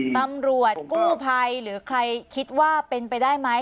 ตำรวจกู้ภัยหรือใครคิดว่าเป็นไปได้ไหม